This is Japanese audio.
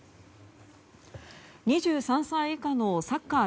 ２３歳以下のサッカー